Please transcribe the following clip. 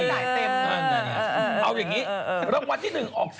เอาอย่างนี้รางวัลที่๑ออก